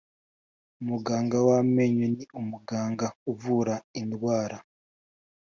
Umuganga w amenyo ni umuganga uvura indwara